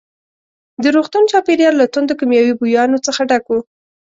د روغتون چاپېریال له توندو کیمیاوي بویانو څخه ډک وو.